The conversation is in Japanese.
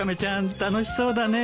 楽しそうだねえ。